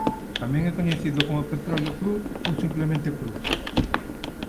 Tamén é coñecido como petróleo cru ou simplemente cru.